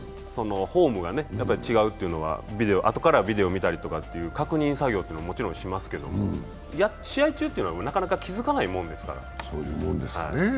ホームが違うというのは、あとからビデオを見たりとか確認作業っていうのはもちろんするんですけど、試合中はなかなか気づかないものです。